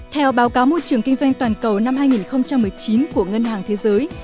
theo báo cáo môi trường kinh doanh toàn cầu năm hai nghìn một mươi chín của ngân hàng thế giới